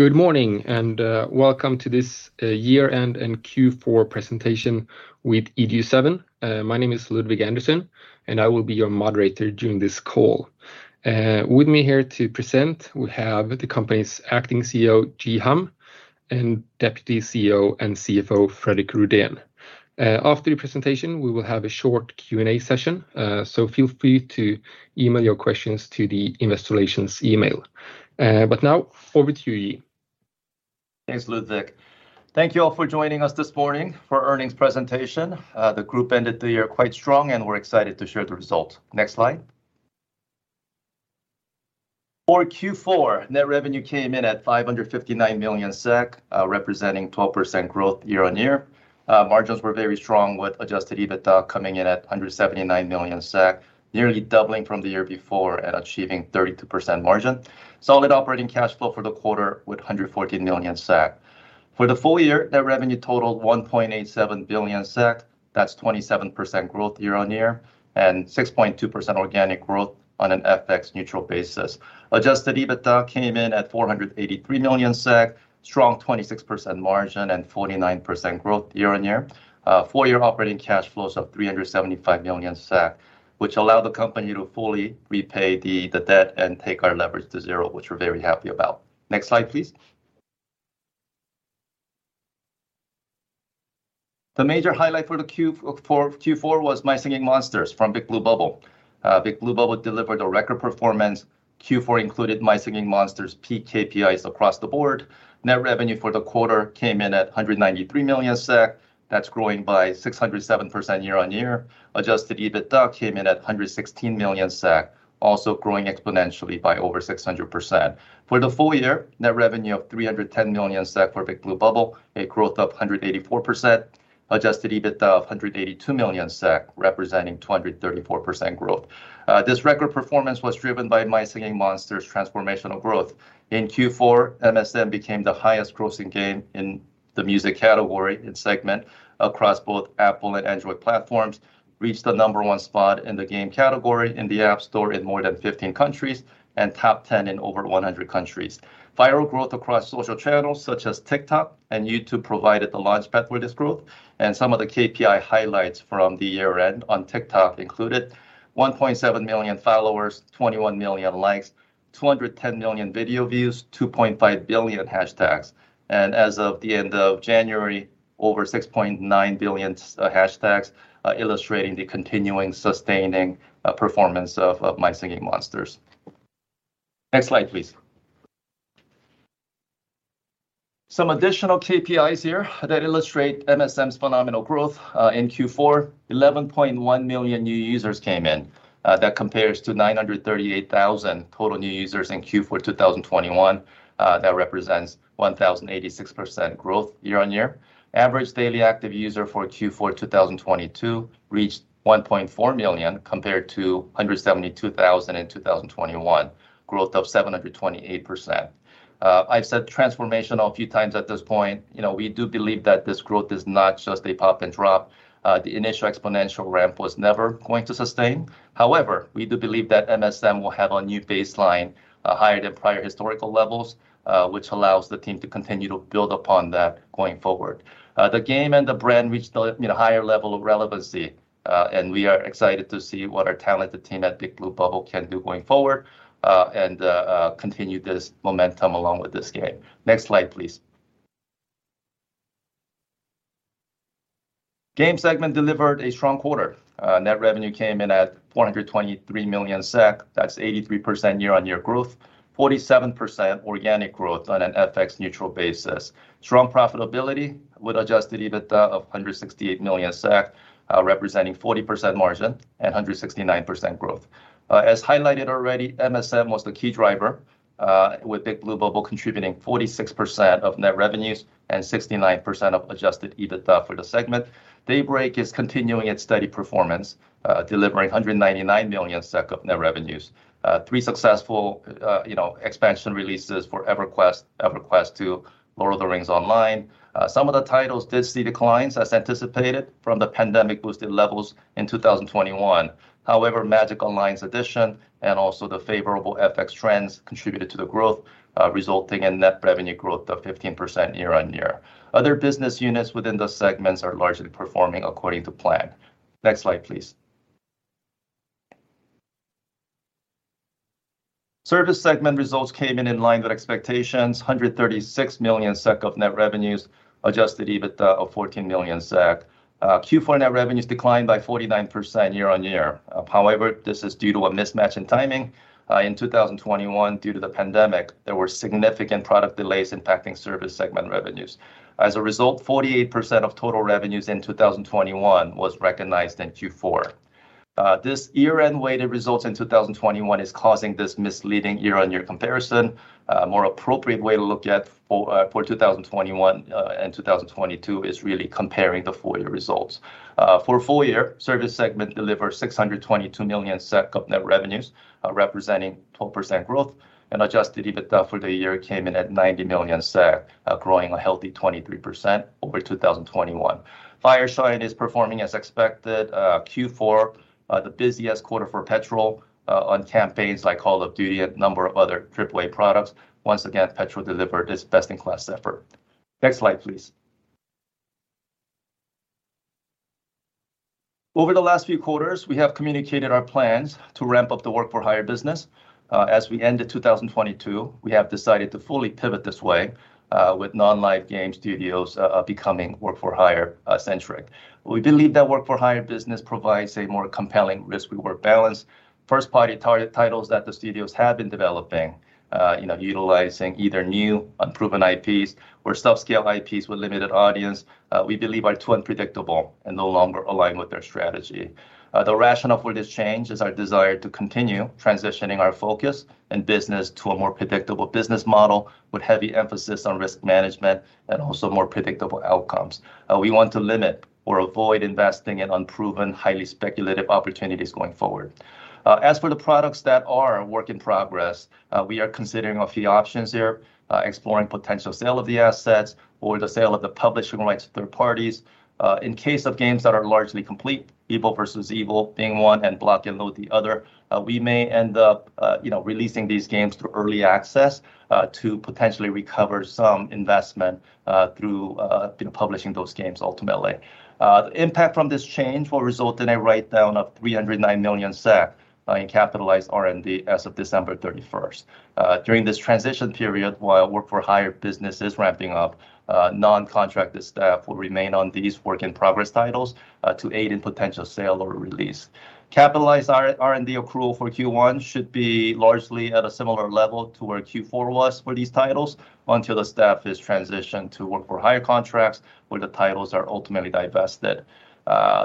Good morning, and welcome to this year-end and Q4 presentation with EG7. My name is Ludwig Anderson, and I will be your moderator during this call. With me here to present, we have the company's Acting CEO, Ji Ham, and Deputy CEO and CFO, Fredrik Rüdén. After the presentation, we will have a short Q&A session, so feel free to email your questions to the investor relations email. Now, over to you, Ji. Thanks, Ludwig. Thank you all for joining us this morning for earnings presentation. The group ended the year quite strong. We're excited to share the results. Next slide. For Q4, net revenue came in at 559 million SEK, representing 12% growth year-on-year. Margins were very strong, with adjusted EBITDA coming in at 179 million SEK, nearly doubling from the year before and achieving 32% margin. Solid operating cash flow for the quarter with 114 million SEK. For the full year, their revenue totaled 1.87 billion SEK, that's 27% growth year-on-year, 6.2% organic growth on an FX neutral basis. Adjusted EBITDA came in at 483 million SEK, strong 26% margin and 49% growth year-on-year. Full year operating cash flows of 375 million, which allow the company to fully repay the debt and take our leverage to 0, which we're very happy about. Next slide, please. The major highlight for Q4 was My Singing Monsters from Big Blue Bubble. Big Blue Bubble delivered a record performance. Q4 included My Singing Monsters peak KPIs across the board. Net revenue for the quarter came in at 193 million SEK. That's growing by 607% year-on-year. Adjusted EBITDA came in at 116 million SEK, also growing exponentially by over 600%. For the full year, net revenue of 310 million SEK for Big Blue Bubble, a growth of 184%. Adjusted EBITDA of 182 million SEK, representing 234% growth. This record performance was driven by My Singing Monsters transformational growth. In Q4, MSM became the highest grossing game in the music category and segment across both Apple and Android platforms, reached the number one spot in the game category in the App Store in more than 15 countries, and top 10 in over 100 countries. Viral growth across social channels such as TikTok and YouTube provided the launch pad for this growth. Some of the KPI highlights from the year-end on TikTok included 1.7 million followers, 21 million likes, 210 million video views, 2.5 billion hashtags. As of the end of January, over 6.9 billion hashtags, illustrating the continuing sustaining performance of My Singing Monsters. Next slide, please. Some additional KPIs here that illustrate MSM's phenomenal growth. In Q4, 11.1 million new users came in. That compares to 938,000 total new users in Q4 2021. That represents 1,086% growth year-on-year. Average daily active user for Q4 2022 reached 1.4 million compared to 172,000 in 2021, growth of 728%. I've said transformational a few times at this point. You know, we do believe that this growth is not just a pop and drop. The initial exponential ramp was never going to sustain. However, we do believe that MSM will have a new baseline, higher than prior historical levels, which allows the team to continue to build upon that going forward. The game and the brand reached a, you know, higher level of relevancy, and we are excited to see what our talented team at Big Blue Bubble can do going forward, continue this momentum along with this game. Next slide, please. Game segment delivered a strong quarter. Net revenue came in at 423 million SEK. That's 83% year-on-year growth, 47% organic growth on an FX neutral basis. Strong profitability with adjusted EBITDA of 168 million SEK, representing 40% margin and 169% growth. As highlighted already, MSM was the key driver, with Big Blue Bubble contributing 46% of net revenues and 69% of adjusted EBITDA for the segment. Daybreak is continuing its steady performance, delivering 199 million SEK of net revenues. Three successful, you know, expansion releases for EverQuest II, The Lord of the Rings Online. Some of the titles did see declines as anticipated from the pandemic-boosted levels in 2021. However, Magic Online's addition and also the favorable FX trends contributed to the growth, resulting in net revenue growth of 15% year-on-year. Other business units within the segments are largely performing according to plan. Next slide, please. Service segment results came in in line with expectations, 136 million SEK of net revenues, adjusted EBITDA of 14 million SEK. Q4 net revenues declined by 49% year-on-year. However, this is due to a mismatch in timing. In 2021, due to the pandemic, there were significant product delays impacting service segment revenues. As a result, 48% of total revenues in 2021 was recognized in Q4. This year-end weighted results in 2021 is causing this misleading year-on-year comparison. More appropriate way to look at for 2021 and 2022 is really comparing the full year results. For full year, service segment delivered 622 million SEK of net revenues, representing 12% growth. Adjusted EBITDA for the year came in at 90 million SEK, growing a healthy 23% over 2021. Fireshine is performing as expected. Q4, the busiest quarter for Petrol, on campaigns like Call of Duty and a number of other AAA products. Once again, Petrol delivered its best-in-class effort. Next slide, please. Over the last few quarters, we have communicated our plans to ramp up the work-for-hire business. As we end in 2022, we have decided to fully pivot this way, with non-live game studios becoming work-for-hire centric. We believe that work-for-hire business provides a more compelling risk-reward balance. First-party titles that the studios have been developing, you know, utilizing either new unproven IPs or subscale IPs with limited audience, we believe are too unpredictable and no longer align with their strategy. The rationale for this change is our desire to continue transitioning our focus and business to a more predictable business model with heavy emphasis on risk management and also more predictable outcomes. We want to limit or avoid investing in unproven, highly speculative opportunities going forward. As for the products that are work in progress, we are considering a few options here, exploring potential sale of the assets or the sale of the publishing rights to third parties. In case of games that are largely complete, EvilVEvil being one and Block N Load the other, we may end up, you know, releasing these games through early access, to potentially recover some investment, through, you know, publishing those games ultimately. The impact from this change will result in a write-down of 309 million SEK in capitalized R&D as of December 31st. During this transition period, while work-for-hire business is ramping up, non-contracted staff will remain on these work-in-progress titles, to aid in potential sale or release. Capitalized R&D accrual for Q1 should be largely at a similar level to where Q4 was for these titles until the staff is transitioned to work-for-hire contracts, where the titles are ultimately divested.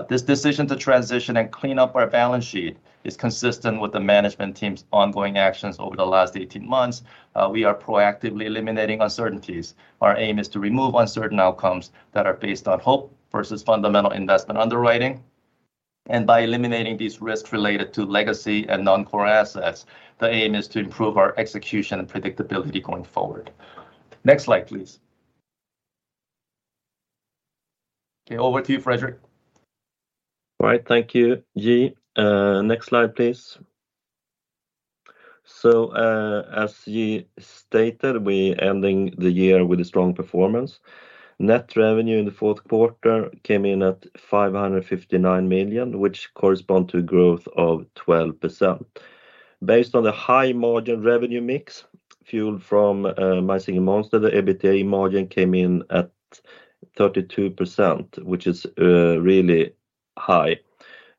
This decision to transition and clean up our balance sheet is consistent with the management team's ongoing actions over the last 18 months. We are proactively eliminating uncertainties. Our aim is to remove uncertain outcomes that are based on hope versus fundamental investment underwriting. By eliminating these risks related to legacy and non-core assets, the aim is to improve our execution and predictability going forward. Next slide, please. Okay, over to you, Fredrik. All right. Thank you, Ji. Next slide, please. As Ji stated, we ending the year with a strong performance. Net revenue in the fourth quarter came in at 559 million, which correspond to growth of 12%. Based on the high-margin revenue mix fueled from My Singing Monsters, the EBITDA margin came in at 32%, which is really high.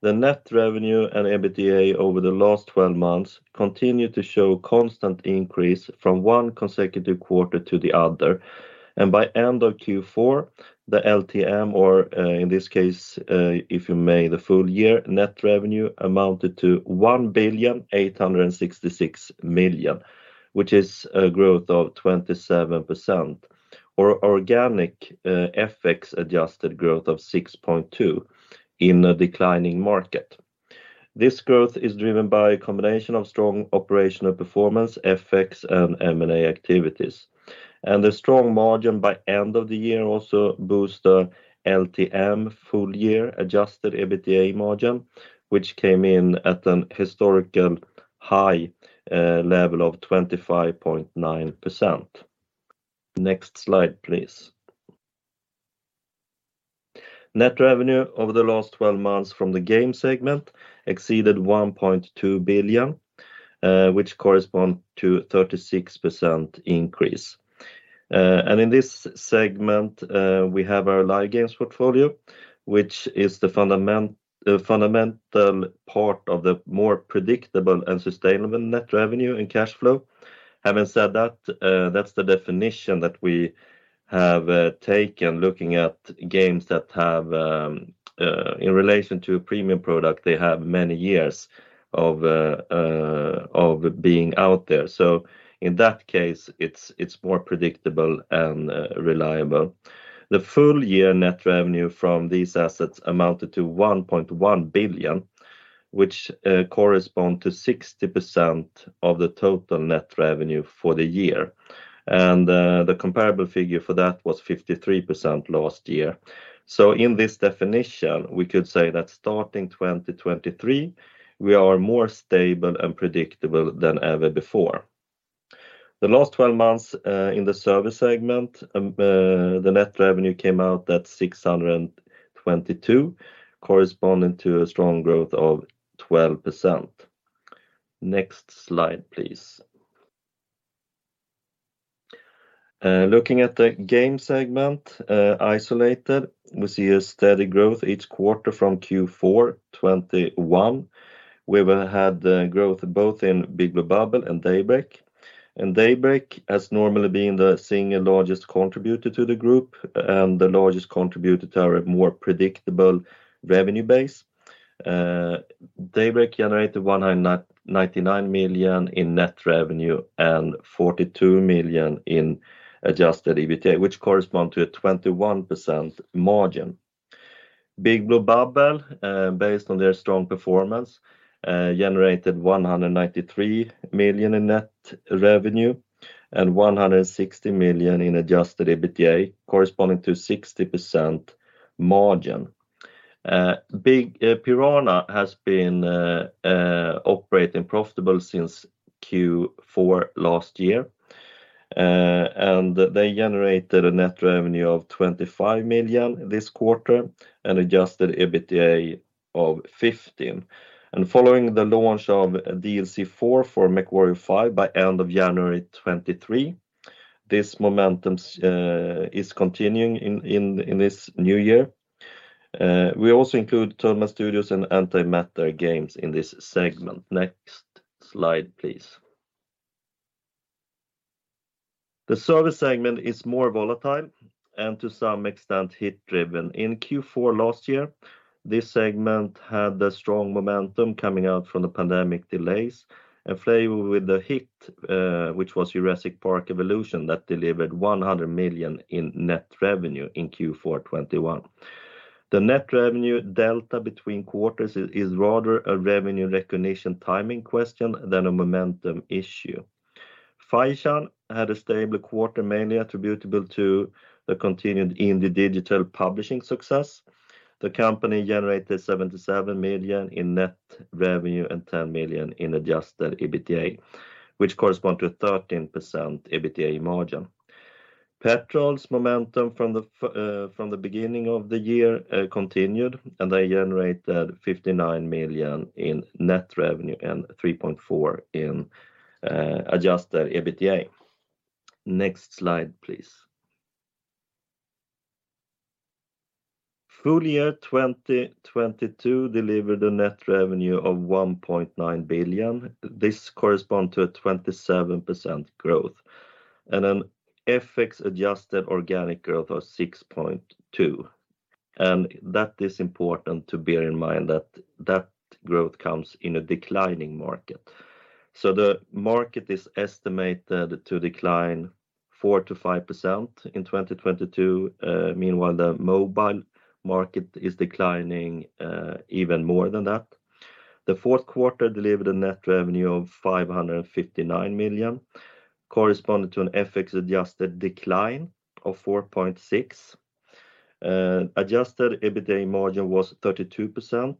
The net revenue and EBITDA over the last 12 months continue to show constant increase from 1 consecutive quarter to the other. By end of Q4, the LTM, or, in this case, if you may, the full year net revenue amounted to 1,866 million, which is a growth of 27% or organic, FX-adjusted growth of 6.2% in a declining market. This growth is driven by a combination of strong operational performance, FX, and M&A activities. The strong margin by end of the year also boost the LTM full year adjusted EBITDA margin, which came in at an historical high level of 25.9%. Next slide, please. Net revenue over the last 12 months from the game segment exceeded 1.2 billion, which correspond to 36% increase. In this segment, we have our Live Games portfolio, which is the fundamental part of the more predictable and sustainable net revenue and cash flow. Having said that's the definition that we have taken looking at games that have in relation to a premium product, they have many years of being out there. In that case, it's more predictable and reliable. The full year net revenue from these assets amounted to 1.1 billion, which correspond to 60% of the total net revenue for the year. The comparable figure for that was 53% last year. In this definition, we could say that starting 2023, we are more stable and predictable than ever before. The last 12 months, in the Service segment, the net revenue came out at 622 million, corresponding to a strong growth of 12%. Next slide, please. Looking at the Game segment, isolated, we see a steady growth each quarter from Q4 2021. We've had growth both in Big Blue Bubble and Daybreak. Daybreak as normally being the single largest contributor to the group and the largest contributor to our more predictable revenue base, Daybreak generated 199 million in net revenue and 42 million in adjusted EBITDA, which correspond to a 21% margin. Big Blue Bubble, based on their strong performance, generated 193 million in net revenue and 160 million in adjusted EBITDA, corresponding to 60% margin. Piranha has been operating profitable since Q4 last year. They generated a net revenue of 25 million this quarter and adjusted EBITDA of 15 million. Following the launch of DLC4 for MechWarrior 5 by end of January 2023, this momentum is continuing in this new year. We also include Toadman Studios and Antimatter Games in this segment. Next slide, please. The service segment is more volatile and to some extent hit-driven. In Q4 last year, this segment had a strong momentum coming out from the pandemic delays and flavored with the hit, which was Jurassic World Evolution that delivered 100 million in net revenue in Q4 2021. The net revenue delta between quarters is rather a revenue recognition timing question than a momentum issue. Fireshine had a stable quarter mainly attributable to the continued indie digital publishing success. The company generated 77 million in net revenue and 10 million in adjusted EBITDA, which correspond to a 13% EBITDA margin. Petrol's momentum from the beginning of the year continued, and they generated 59 million in net revenue and 3.4 in adjusted EBITDA. Next slide, please. Full year 2022 delivered a net revenue of 1.9 billion. This correspond to a 27% growth and an FX-adjusted organic growth of 6.2%. That is important to bear in mind that growth comes in a declining market. The market is estimated to decline 4%-5% in 2022. Meanwhile, the mobile market is declining even more than that. The fourth quarter delivered a net revenue of 559 million, corresponding to an FX-adjusted decline of 4.6%. Adjusted EBITDA margin was 32%.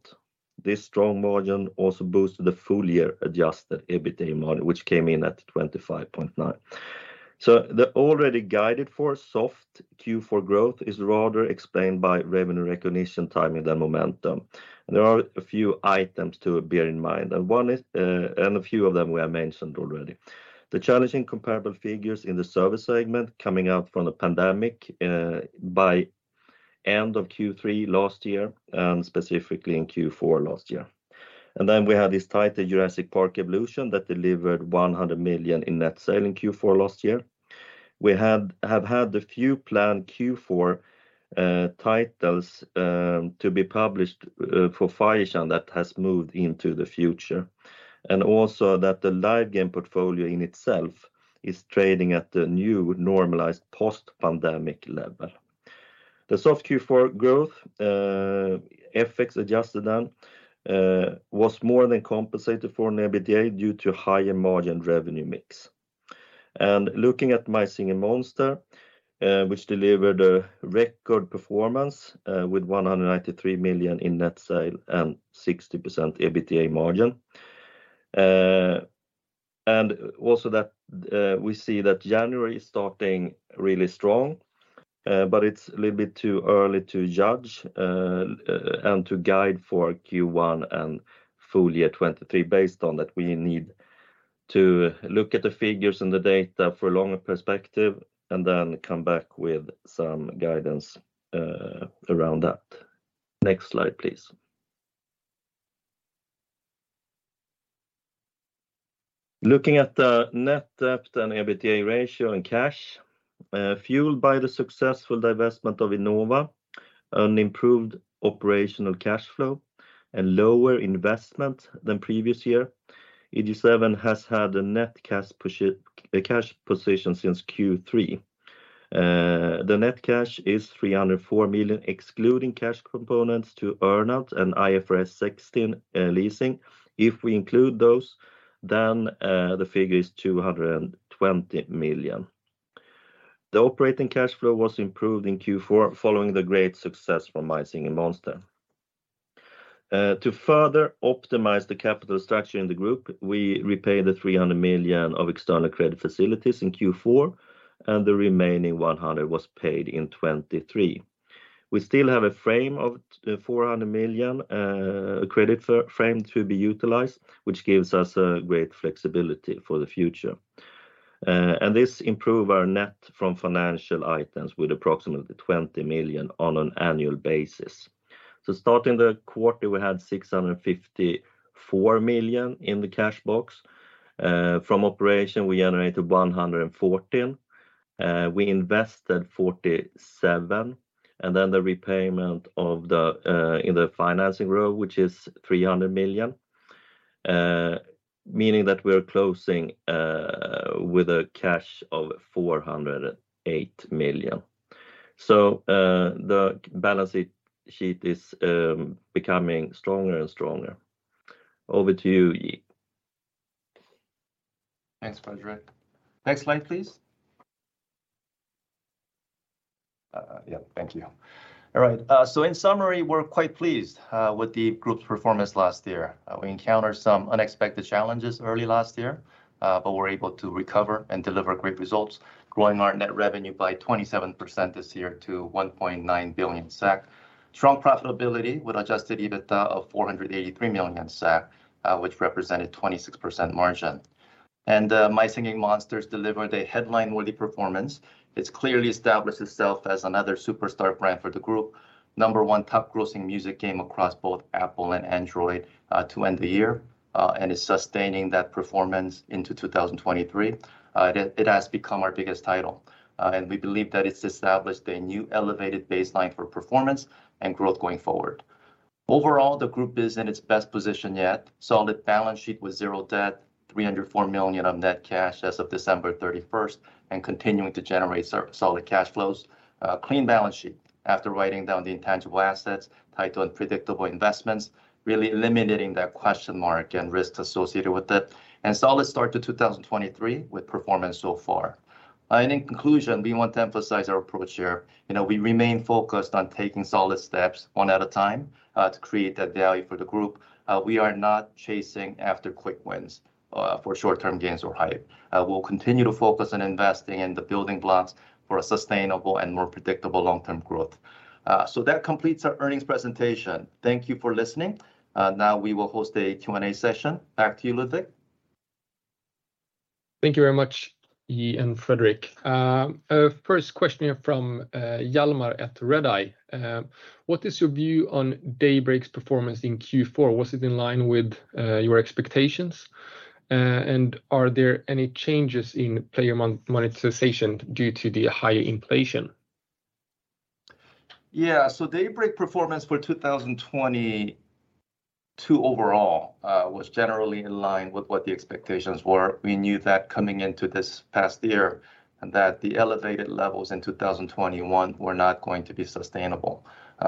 This strong margin also boosted the full-year adjusted EBITDA margin, which came in at 25.9%. The already guided-for soft Q4 growth is rather explained by revenue recognition timing than momentum. There are a few items to bear in mind, and one is, and a few of them were mentioned already. The challenging comparable figures in the service segment coming out from the pandemic, by end of Q3 last year and specifically in Q4 last year. Then we have this title, Jurassic World Evolution, that delivered 100 million in net sale in Q4 last year. We have had a few planned Q4 titles to be published for Fireshine that has moved into the future. Also that the live game portfolio in itself is trading at the new normalized post-pandemic level. The soft Q4 growth, FX-adjusted then, was more than compensated for in EBITDA due to higher margin revenue mix. Looking at My Singing Monsters, which delivered a record performance with 193 million in net sale and 60% EBITDA margin. Also that we see that January is starting really strong, but it's a little bit too early to judge and to guide for Q1 and full year 2023 based on that we need to look at the figures and the data for a longer perspective and then come back with some guidance around that. Next slide, please. Looking at the net debt and EBITDA ratio and cash, fueled by the successful divestment of Innova, an improved operational cash flow, and lower investment than previous year, EG7 has had a net cash position since Q3. The net cash is 304 million, excluding cash components to earn-out and IFRS 16 leasing. If we include those, then the figure is 220 million. The operating cash flow was improved in Q4 following the great success from My Singing Monsters. To further optimize the capital structure in the group, we repaid 300 million of external credit facilities in Q4, and the remaining 100 million was paid in 2023. We still have a frame of 400 million credit frame to be utilized, which gives us a great flexibility for the future. This improve our net from financial items with approximately 20 million on an annual basis. Starting the quarter, we had 654 million in the cash box. From operation, we generated 114 million. We invested 47 million, and then the repayment of the in the financing row, which is 300 million. Meaning that we are closing with a cash of 408 million. The balance sheet is becoming stronger and stronger. Over to you, Ji. Thanks, Fredrik. Next slide, please. Yeah, thank you. All right, in summary, we're quite pleased with the group's performance last year. We encountered some unexpected challenges early last year, but were able to recover and deliver great results, growing our net revenue by 27% this year to 1.9 billion SEK. Strong profitability with Adjusted EBITDA of 483 million SEK, which represented 26% margin. My Singing Monsters delivered a headline-worthy performance. It's clearly established itself as another superstar brand for the group. Number one top grossing music game across both Apple and Android to end the year, and is sustaining that performance into 2023. It has become our biggest title, and we believe that it's established a new elevated baseline for performance and growth going forward. Overall, the group is in its best position yet. Solid balance sheet with zero debt, 304 million on net cash as of December 31st, and continuing to generate solid cash flows. A clean balance sheet after writing down the intangible assets tied to unpredictable investments, really eliminating that question mark and risks associated with it, and solid start to 2023 with performance so far. In conclusion, we want to emphasize our approach here. You know, we remain focused on taking solid steps one at a time to create that value for the group. We are not chasing after quick wins for short-term gains or hype. We'll continue to focus on investing in the building blocks for a sustainable and more predictable long-term growth. That completes our earnings presentation. Thank you for listening. Now we will host a Q&A session. Back to you, Ludwig. Thank you very much, Ji and Fredrik. Our first question here from Hjalmar at Redeye. What is your view on Daybreak's performance in Q4? Was it in line with your expectations? Are there any changes in player monetization due to the higher inflation? Yeah. Daybreak performance for 2022 overall was generally in line with what the expectations were. We knew that coming into this past year, that the elevated levels in 2021 were not going to be sustainable.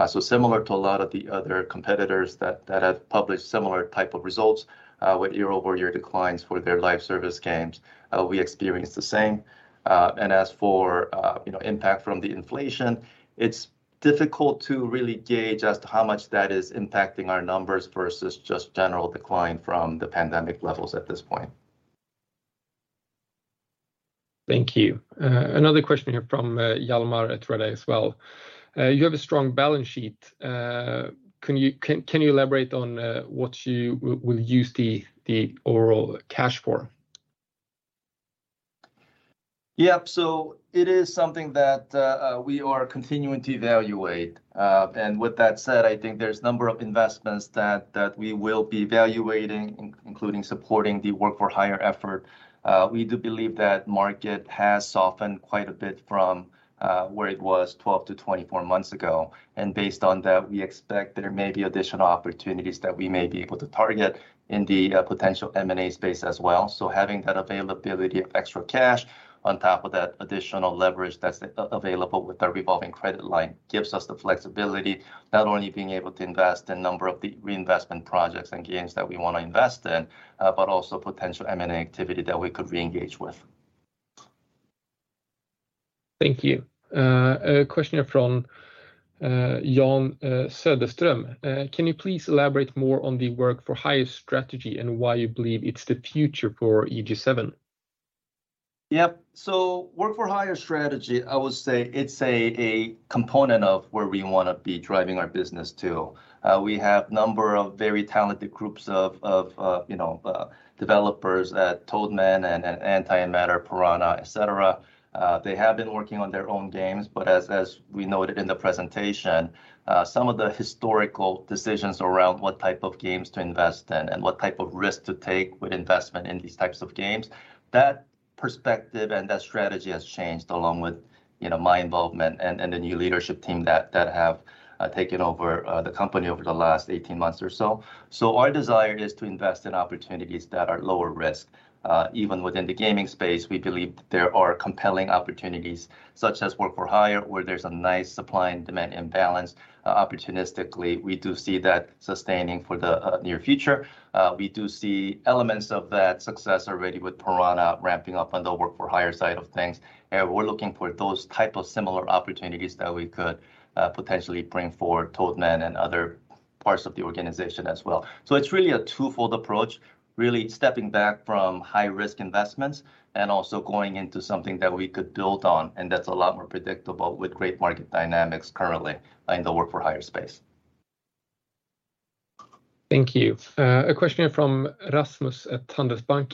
Similar to a lot of the other competitors that have published similar type of results, with year-over-year declines for their live service games, we experienced the same. As for, you know, impact from the inflation, it's difficult to really gauge as to how much that is impacting our numbers versus just general decline from the pandemic levels at this point. Thank you. another question here from Hjalmar at Redeye as well. you have a strong balance sheet. can you elaborate on what you will use the the overall cash for? Yep. It is something that we are continuing to evaluate. With that said, I think there's a number of investments that we will be evaluating including supporting the work-for-hire effort. We do believe that market has softened quite a bit from where it was 12-24 months ago, and based on that, we expect there may be additional opportunities that we may be able to target in the potential M&A space as well. Having that availability of extra cash on top of that additional leverage that's available with our revolving credit line gives us the flexibility not only being able to invest in a number of the reinvestment projects and gains that we wanna invest in, but also potential M&A activity that we could re-engage with. Thank you. A question here from Jan Söderström. Can you please elaborate more on the work-for-hire strategy and why you believe it's the future for EG7? Yep. Work-for-hire strategy, I would say it's a component of where we wanna be driving our business to. We have number of very talented groups of, you know, developers at Toadman and at Antimatter, Piranha, et cetera. They have been working on their own games, but as we noted in the presentation, some of the historical decisions around what type of games to invest in and what type of risk to take with investment in these types of games, that perspective and that strategy has changed along with, you know, my involvement and the new leadership team that have taken over the company over the last 18 months or so. Our desire is to invest in opportunities that are lower risk. Even within the gaming space, we believe there are compelling opportunities such as work-for-hire, where there's a nice supply and demand imbalance. Opportunistically, we do see that sustaining for the near future. We do see elements of that success already with Piranha ramping up on the work-for-hire side of things. We're looking for those type of similar opportunities that we could potentially bring for Toadman and other parts of the organization as well. It's really a twofold approach, really stepping back from high-risk investments and also going into something that we could build on, and that's a lot more predictable with great market dynamics currently in the work-for-hire space. Thank you. A question here from Rasmus at Nordnet Bank.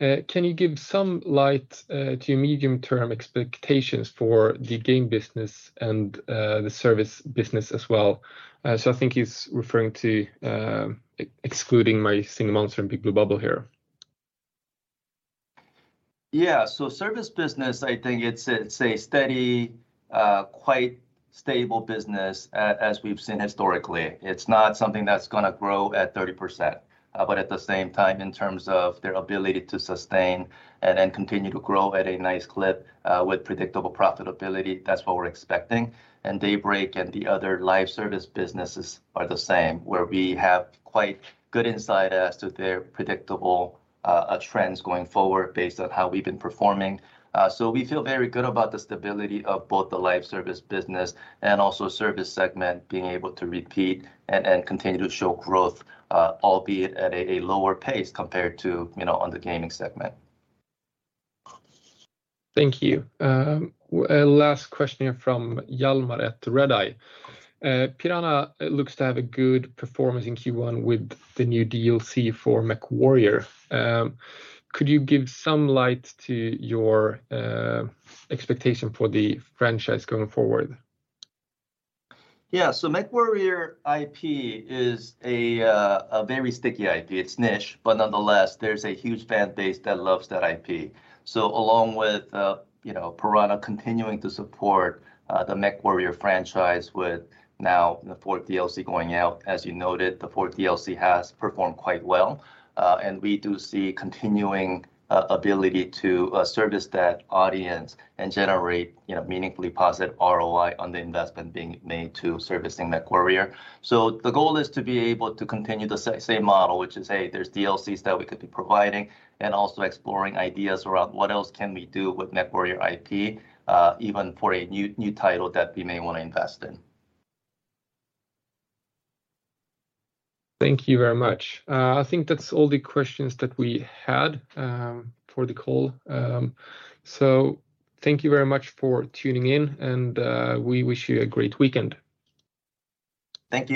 Can you give some light to your medium-term expectations for the game business and the service business as well? I think he's referring to excluding My Singing Monsters and Big Blue Bubble here. Service business, I think it's a, it's a steady, quite stable business as we've seen historically. It's not something that's gonna grow at 30%. At the same time, in terms of their ability to sustain and then continue to grow at a nice clip, with predictable profitability, that's what we're expecting. Daybreak and the other live service businesses are the same, where we have quite good insight as to their predictable trends going forward based on how we've been performing. We feel very good about the stability of both the live service business and also service segment being able to repeat and continue to show growth, albeit at a lower pace compared to, you know, on the gaming segment. Thank you. A last question here from Hjalmar at Redeye. "Piranha looks to have a good performance in Q1 with the new DLC for MechWarrior. Could you give some light to your expectation for the franchise going forward? MechWarrior IP is a very sticky IP. It's niche, but nonetheless, there's a huge fan base that loves that IP. Along with, you know, Piranha continuing to support the MechWarrior franchise with now the fourth DLC going out, as you noted, the fourth DLC has performed quite well. And we do see continuing ability to service that audience and generate, you know, meaningfully positive ROI on the investment being made to servicing MechWarrior. The goal is to be able to continue the same model, which is, hey, there's DLCs that we could be providing, and also exploring ideas around what else can we do with MechWarrior IP, even for a new title that we may wanna invest in. Thank you very much. I think that's all the questions that we had for the call. Thank you very much for tuning in and we wish you a great weekend. Thank you.